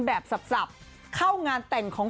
แบบสับเข้างานแต่งของ